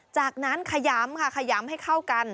จากนั้นขยำให้เข้ากัน